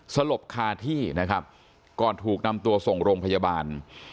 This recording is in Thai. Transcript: สลบคาที่นะครับก่อนถูกนำตัวส่งโรงพยาบาล